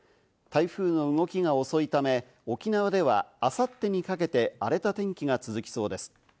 台風の動きが遅いため、沖縄では明後日にかけて荒れた天気が続きそうです。